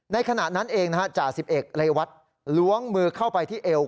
ขณะนั้นเองนะฮะจ่าสิบเอกเรวัตล้วงมือเข้าไปที่เอว